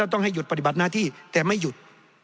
ต้องให้หยุดปฏิบัติหน้าที่แต่ไม่หยุด